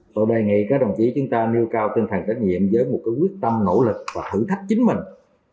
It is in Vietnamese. tôi đề nghị các đồng chí chúng ta nêu cao tinh thần trách nhiệm với một quyết tâm nỗ lực và thử thách chính mình